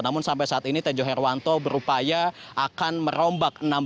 namun sampai saat ini tejo herwanto berupaya akan merombak